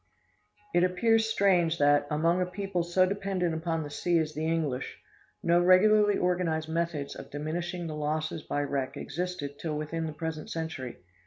It appears strange that, among a people so dependent upon the sea as the English, no regularly organized methods of diminishing the losses by wreck existed till within the present century.